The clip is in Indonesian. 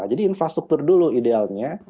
jadi infrastruktur dulu idealnya